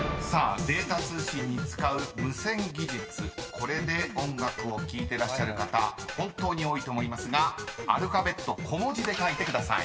［これで音楽を聴いてらっしゃる方本当に多いと思いますがアルファベット小文字で書いてください。